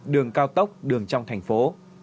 đường cao tốc đường trong thành phố